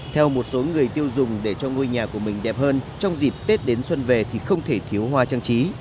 theo một số người tiêu dùng để cho ngôi nhà của mình đẹp hơn trong dịp tết đến xuân về thì không thể thiếu hoa trang trí